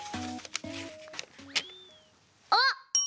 あっ！